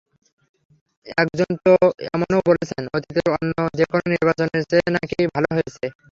একজন তো এমনও বলেছেন, অতীতের অন্য যেকোনো নির্বাচনের চেয়ে নাকি ভালো হয়েছে।